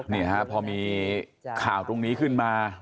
นี่ฮะพอมีข่าวตรงนี้ขึ้นมา